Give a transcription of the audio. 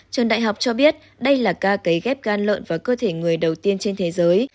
trần đại học cho biết đây là ca kế ghép gan lợn vào cơ thể người đầu tiên trên thế giới